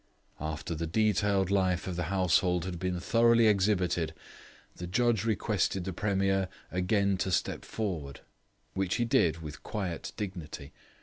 After the detailed life of the household had been thoroughly exhibited, the judge requested the Premier again to step forward, which he did with quiet dignity.